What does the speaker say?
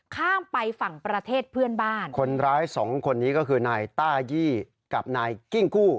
ข้ามไปฝั่งประเทศเพื่อนบ้านคนร้ายสองคนนี้ก็คือนายต้ายี่กับนายกิ้งกู้